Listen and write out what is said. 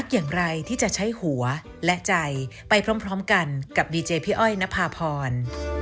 ดีเจย์พี่อ้อยณพาพร